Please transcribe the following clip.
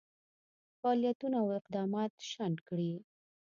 فعالیتونه او اقدامات شنډ کړي.